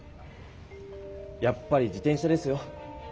やっぱり自転車ですよ。